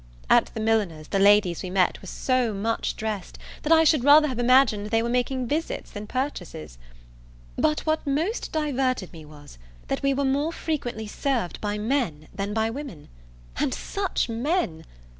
At the milliners, the ladies we met were so much dressed, that I should rather have imagined they were making visits than purchases. But what most diverted me was, that we were more frequently served by men than by women; and such men!